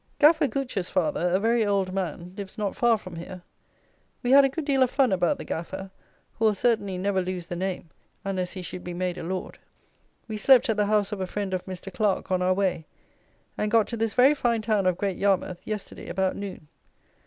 GAFFER GOOCH'S father, a very old man, lives not far from here. We had a good deal of fun about the Gaffer, who will certainly never lose the name, unless he should be made a Lord. We slept at the house of a friend of Mr. Clarke on our way, and got to this very fine town of Great Yarmouth yesterday about noon.